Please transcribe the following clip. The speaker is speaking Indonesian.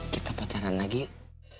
kita pacaran lagi yuk